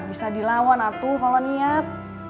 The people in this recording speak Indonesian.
bisa dilawan atu kalau niat